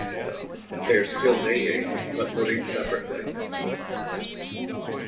They are still dating, but living separately.